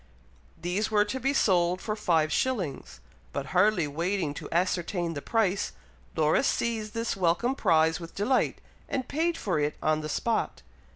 These were to be sold for five shillings; but hardly waiting to ascertain the price, Laura seized this welcome prize with delight, and paid for it on the spot.